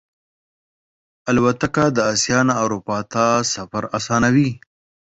الوتکه د آسیا نه اروپا ته سفر آسانوي.